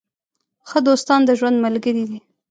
ښه دوستان د ژوند ملګري دي.